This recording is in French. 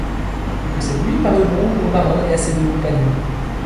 Que cette nuit parut longue au marin et à ses deux compagnons!